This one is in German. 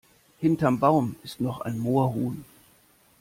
Hinterm Baum ist noch ein Moorhuhn!